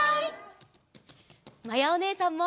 まやおねえさんも。